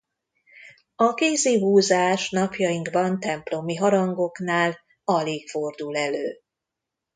A kézi húzás napjainkban templomi harangoknál alig fordul elő.